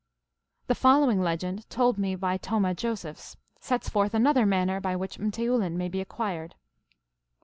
The following legend, told me by Tomah Josephs, sets forth another manner by which m teoulin may be acquired.